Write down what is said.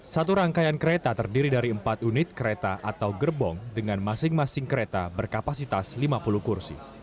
satu rangkaian kereta terdiri dari empat unit kereta atau gerbong dengan masing masing kereta berkapasitas lima puluh kursi